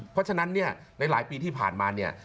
เพราะฉะนั้นเนี่ยหลายปีที่ผ่านมาเนี่ย